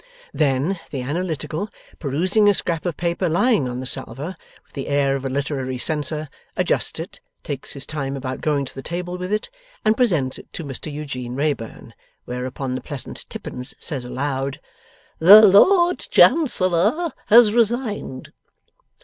Then, the Analytical, perusing a scrap of paper lying on the salver, with the air of a literary Censor, adjusts it, takes his time about going to the table with it, and presents it to Mr Eugene Wrayburn. Whereupon the pleasant Tippins says aloud, 'The Lord Chancellor has resigned!